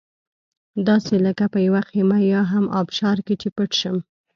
داسې لکه په یوه خېمه یا هم ابشار کې چې پټ شم.